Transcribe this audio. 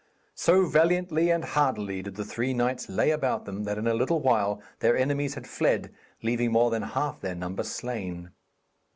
So valiantly and hardily did the three knights lay about them that in a little while their enemies had fled, leaving more than half their number slain.